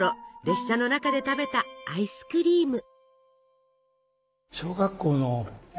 列車の中で食べたアイスクリーム。